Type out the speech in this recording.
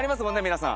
皆さん。